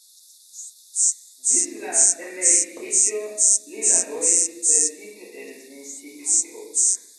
Ĝis la emeritiĝo li laboris precipe en instituto.